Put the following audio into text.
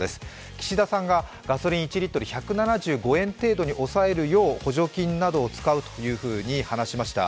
岸田さんがガソリン１リットル１７５円程度に抑えるよう補助金などを使うと話しました。